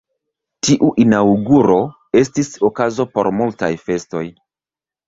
Tiu inaŭguro estis okazo por multaj festoj.